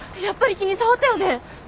やっぱり気に障ったよね？